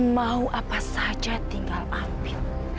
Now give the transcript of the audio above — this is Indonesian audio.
mau apa saja tinggal ambil